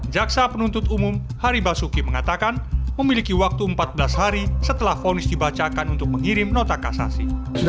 jaksa penuntut umum hari basuki mengatakan memiliki waktu empat belas hari setelah fonis dibacakan untuk mengirim nota kasasi